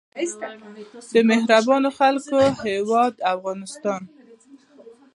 د مهربانو خلکو هیواد افغانستان.